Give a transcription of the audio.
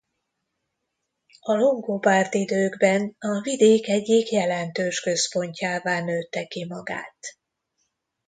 A longobárd időkben a vidék egyik jelentős központjává nőtte ki magát.